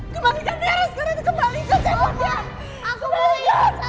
kembalikan tiara sekarang kembalikan ceweknya